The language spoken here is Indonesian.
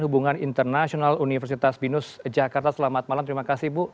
hubungan internasional universitas binus jakarta selamat malam terima kasih bu